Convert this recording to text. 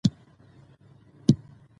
د ستونزو منل د شخصیت ودې لامل دی.